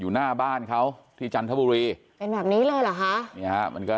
หน้าบ้านเขาที่จันทบุรีเป็นแบบนี้เลยเหรอคะเนี่ยฮะมันก็